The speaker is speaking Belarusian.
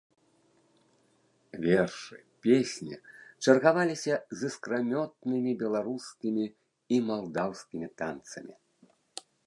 Вершы, песні чаргаваліся з іскрамётнымі беларускімі і малдаўскімі танцамі.